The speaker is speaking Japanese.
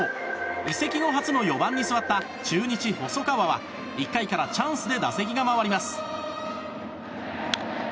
移籍後初の４番に座った中日、細川は１回からチャンスで打席が回ります。